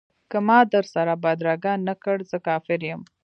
که ما در سره بدرګه نه کړ زه کافر یم.